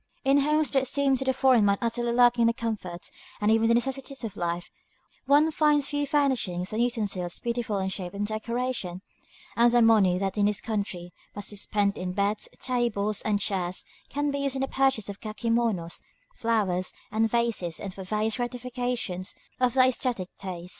In homes that seem to the foreign mind utterly lacking in the comforts and even the necessities of life, one finds the few furnishings and utensils beautiful in shape and decoration; and the money that in this country must be spent in beds, tables, and chairs can be used for the purchase of kakémonos, flowers, and vases, and for various gratifications of the æsthetic taste.